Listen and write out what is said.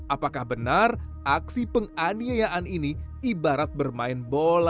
apakah benar aksi penganiayaan ini ibarat bermain bola